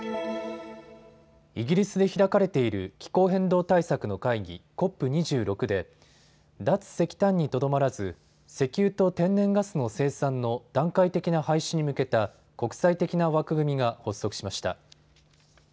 イギリスで開かれている気候変動対策の会議、ＣＯＰ２６で脱石炭にとどまらず石油と天然ガスの生産の段階的な廃止に向けた国際的な枠組みが発足しました。